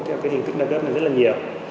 và cái hình thức đa cấp này rất là nhiều